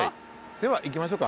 では行きましょうか。